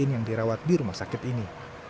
yang dirawat di rumah sakit ini